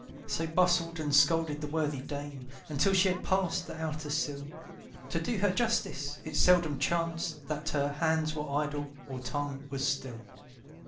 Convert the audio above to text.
So bustled and scolded the worthy dame, Until she had passed the outer sill, To do her justice, it seldom chanced That her hands were idle, or tongue was still.